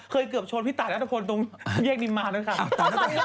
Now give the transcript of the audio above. เคยเกือบโชนพี่ตายเนื้องุคฎ